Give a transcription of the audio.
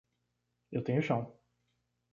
Eu tenho chão